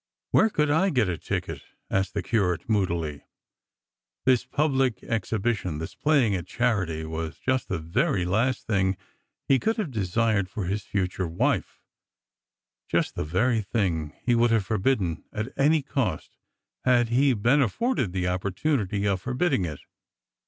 "Where could I get a ticket?" asked the Curate moodily. This public exhibition, this playing at charity, was just the very last thing he could have desired for his future wife, just the very tiling he would have forbidden at any cost had he been afforded the opportunity of forbidding it.